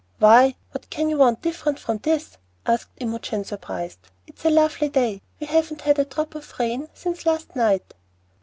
"Why, what can you want different from this?" asked Imogen, surprised. "It's a lovely day. We haven't had a drop of rain since last night."